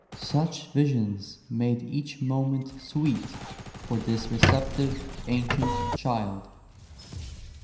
Such visions made each moment sweet For this receptive ancient child.